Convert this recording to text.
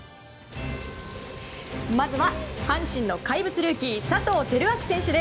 まずは、阪神の怪物ルーキー佐藤輝明選手。